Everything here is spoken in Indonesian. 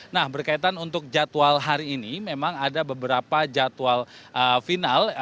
nah berkaitan untuk jadwal hari ini memang ada beberapa jadwal final